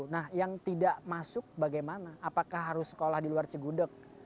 nah yang tidak masuk bagaimana apakah harus sekolah di luar cigudeg